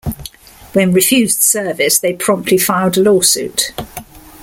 When refused service, they promptly filed a lawsuit.